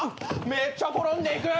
めっちゃ転んでいく！